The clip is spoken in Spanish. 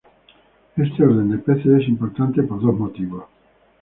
Este orden de peces es importante por dos motivos.